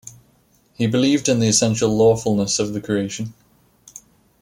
He believed in the essential lawfulness of the creation.